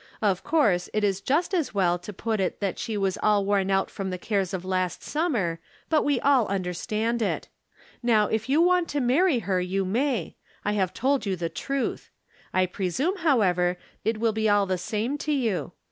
Of course it is just as well to put it that she was all worn out with the cares of last summer ; but we all understand it. Now if you want to marry her you may. I have told you the truth. I presume, however, it will be all the same to you.